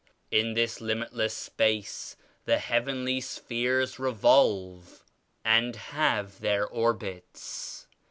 In this limit less space the heavenly spheres revolve and have their orbits.